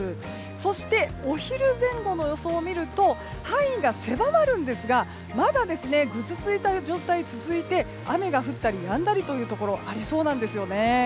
そして、お昼前後の予想を見ると範囲が狭まるんですがまだぐずついた状態が続いて雨が降ったりやんだりというところがありそうなんです。